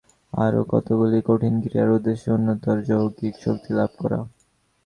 আরও কতকগুলি কঠিন ক্রিয়ার উদ্দেশ্য উন্নততর যৌগিক শক্তি লাভ করা।